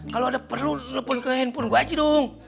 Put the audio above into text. kalau ada perlu telepon ke handphone gue aja dong